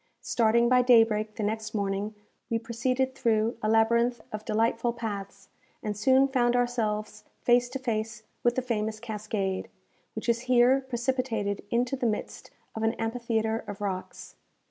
Starting by daybreak the next morning, we proceeded through a labyrinth of delightful paths, and soon found ourselves face to face with the famous cascade, which is here precipitated into the midst of an amphitheatre of rocks.